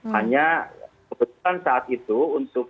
hanya kebetulan saat itu untuk